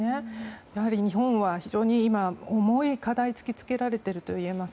やはり日本は非常に今、重い課題を突き付けられているといえます。